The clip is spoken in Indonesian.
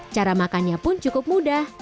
cara makannya pun cukup mudah